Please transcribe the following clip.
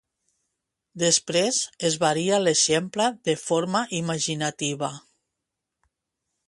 Després, es varia l"exemple de forma imaginativa.